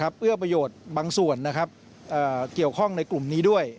เพื่อประโยชน์บางส่วนเกี่ยวข้องในกลุ่มนี้ด้วย